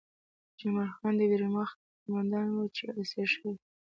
جمال خان د ویرماخت قومندان و چې اسیر شوی و